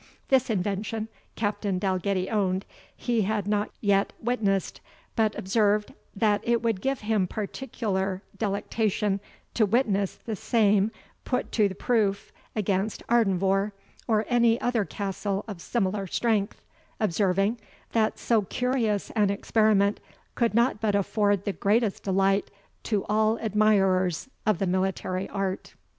This invention, Captain Dalgetty owned, he had not yet witnessed, but observed, "that it would give him particular delectation to witness the same put to the proof against Ardenvohr, or any other castle of similar strength;" observing, "that so curious an experiment could not but afford the greatest delight to all admirers of the military art."